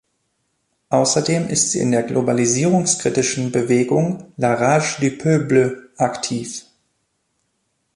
Außerdem ist sie in der globalisierungskritischen Bewegung "La Rage du Peuple" aktiv.